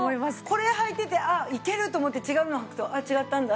これはいてて「あっいける」と思って違うのはくと「あっ違ったんだ」